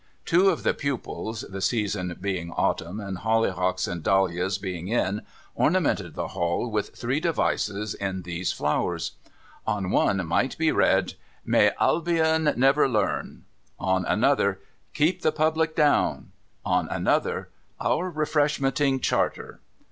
Two of the J VIEWS OF FOREIGN REFRESHMENTING 45 pupils, the season being autumn, and hollyhocks and dahlias being in, ornamented the wall with three devices in those flowers. On one might be read, ' May Albion never Learn ;' on another, ' Keep the Public Down ;' on another, ' Our Refreshmenting Charter.'